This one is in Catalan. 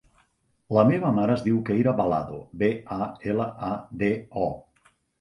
La meva mare es diu Keira Balado: be, a, ela, a, de, o.